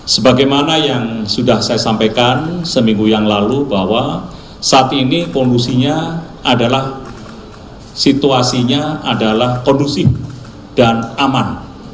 sebagaimana yang sudah saya sampaikan seminggu yang lalu bahwa saat ini polusinya adalah situasinya adalah kondusif dan aman